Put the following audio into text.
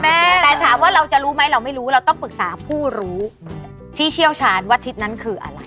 แต่ถามว่าเราจะรู้ไหมเราไม่รู้เราต้องปรึกษาผู้รู้ที่เชี่ยวชาญว่าทิศนั้นคืออะไร